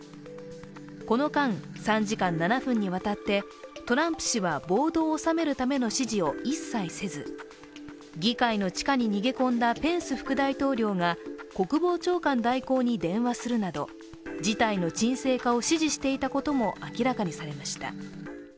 この間、３時間７分にわたってトランプ氏は暴動を収めるための指示を一切せず議会の地下に逃げ込んだペンス副大統領が国防長官代行に電話するなど事態の沈静化を指示していたことも明らかにされました。